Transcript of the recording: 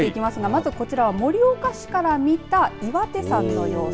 まずこちらは盛岡市から見た岩手山の様子。